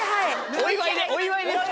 お祝いでお祝いで吹く。